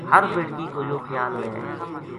ہر بیٹکی کو یوہ خیال وھے